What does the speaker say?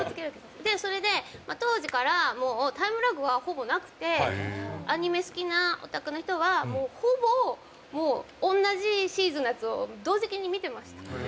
それで、当時からタイムラグは、ほぼなくてアニメ好きなオタクの人はほぼ、同じシーズンのやつを同時期に見てました。